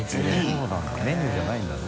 メニューじゃないんだな。